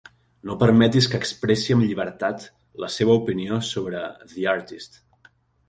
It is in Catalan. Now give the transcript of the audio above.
No permetis que expressi amb llibertat la seva opinió sobre “The Artist”.